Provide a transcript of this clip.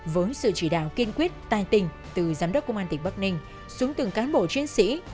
với sự chỉ đạo kiên quyết tài tình từ giám đốc công an tỉnh bắc ninh xuống từng cán bộ chiến sĩ